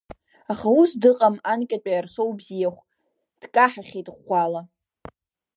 Аха ус дыҟам анкьатәи Арсоу бзиахә, дкаҳахьеит ӷәӷәала.